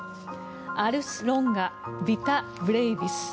アルス・ロンガヴィタ・ブレイビス。